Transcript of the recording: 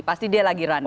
pasti dia lagi running